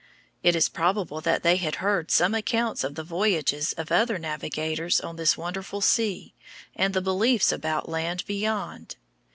It is probable that they had heard some accounts of the voyages of other navigators on this wonderful sea, and the beliefs about land beyond.